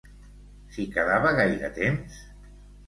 S'hi quedava gaire temps?